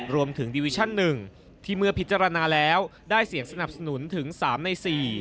ดีวิชั่น๑ที่เมื่อพิจารณาแล้วได้เสียงสนับสนุนถึง๓ใน๔